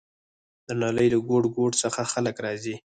د نړۍ له ګوټ ګوټ څخه خلک راځي.